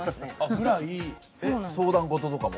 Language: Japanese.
ぐらい相談事とかも？